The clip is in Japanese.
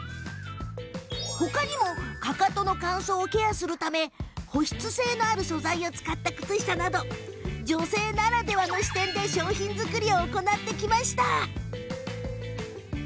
他にもかかとの乾燥をケアするため保湿性のある素材を使った靴下など女性ならではの視点で商品作りを行ってきました。